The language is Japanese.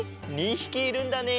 ２ひきいるんだね。